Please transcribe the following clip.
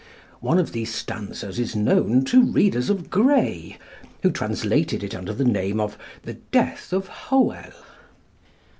One of these stanzas is known to readers of Gray, who translated it under the name of 'The Death of Hoel.'